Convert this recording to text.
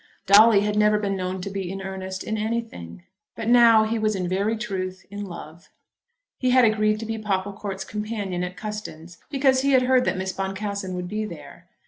Dolly had never been known to be in earnest in anything; but now he was in very truth in love. He had agreed to be Popplecourt's companion at Custins because he had heard that Miss Boncassen would be there.